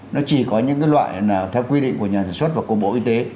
nó chỉ có những cái loại nào theo quy định của nhà sản xuất và của bộ y tế